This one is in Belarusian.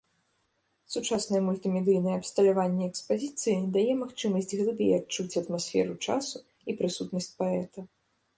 Сучаснае мультымедыйнае абсталяванне экспазіцыі дае магчымасць глыбей адчуць атмасферу часу і прысутнасць паэта.